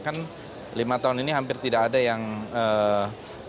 kan lima tahun ini hampir tidak ada yang ee